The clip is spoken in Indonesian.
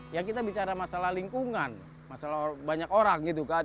ya kita bicara masalah lingkungan masalah banyak orang gitu kan